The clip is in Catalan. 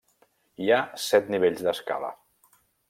Hi ha set nivells d'escala.